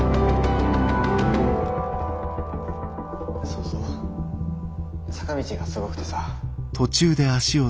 ・そうそう坂道がすごくてさ。